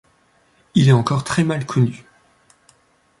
Il est encore très mal connu.